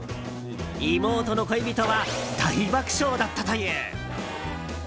妹の恋人は大爆笑だったという。